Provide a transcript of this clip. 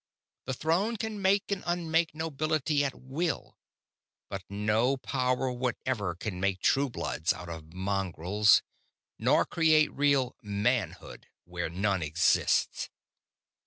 The Throne can make and unmake nobility at will, but no power whatever can make true bloods out of mongrels, nor create real manhood where none exists!"